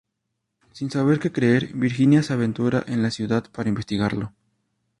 Sin saber que creer, Virginia se aventura en la ciudad para investigarlo.